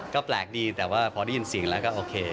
ก็แปลกดีแต่ว่าพอได้ยินเสียงแล้วก็โอเค